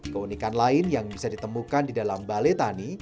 keunikan lain yang bisa ditemukan di dalam balai tani